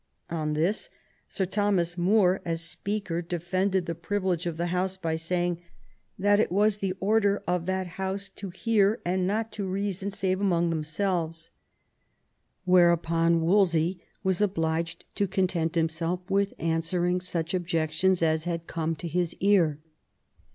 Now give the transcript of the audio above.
On this Sir Thomas More, as Speaker, defended the privilege of the House by saying, "That it was the order of that House to hear and not to reason save among them selves." Whereupon Wolsey was obliged to content himself with answering such objections as had come to his ear.